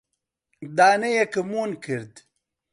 دانەیەکم ون کرد.